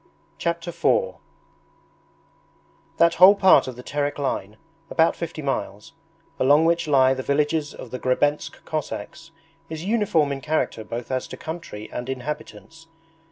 Chapter IV That whole part of the Terek line (about fifty miles) along which lie the villages of the Grebensk Cossacks is uniform in character both as to country and inhabitants.